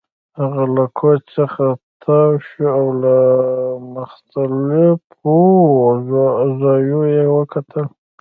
هغه له کوچ څخه تاو شو او له مختلفو زاویو یې وکتل